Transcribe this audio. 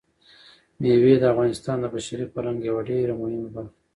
مېوې د افغانستان د بشري فرهنګ یوه ډېره مهمه برخه ده.